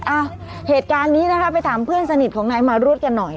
อ่ะเหตุการณ์นี้นะคะไปถามเพื่อนสนิทของนายมารุธกันหน่อย